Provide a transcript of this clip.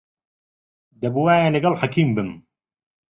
دەبوایە لەگەڵ حەکیم بم.